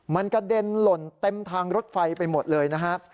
มันกระเด็นหล่นเต็มทางรถไฟไปหมดเลยนะฮะ